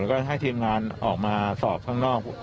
แล้วก็ให้ทีมงานออกมาสอบข้างนอก